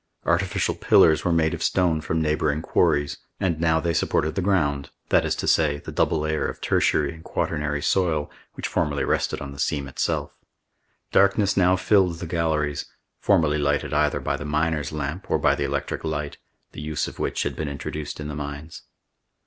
Artificial pillars were made of stone from neighboring quarries, and now they supported the ground, that is to say, the double layer of tertiary and quaternary soil, which formerly rested on the seam itself. Darkness now filled the galleries, formerly lighted either by the miner's lamp or by the electric light, the use of which had been introduced in the mines.